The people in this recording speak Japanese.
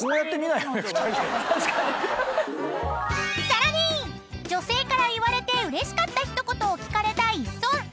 ［さらに女性から言われてうれしかった一言を聞かれたイッソン。